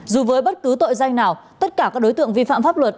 dù với bất cứ tội danh nào tất cả các đối tượng vi phạm pháp luật